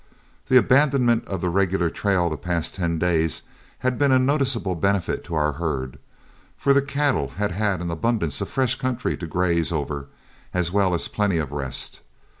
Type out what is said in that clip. The abandonment of the regular trail the past ten days had been a noticeable benefit to our herd, for the cattle had had an abundance of fresh country to graze over as well as plenty of rest.